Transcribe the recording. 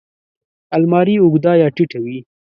الماري اوږده یا ټیټه وي